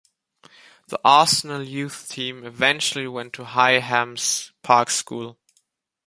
The Arsenal Youth Team eventually went to Highams Park School.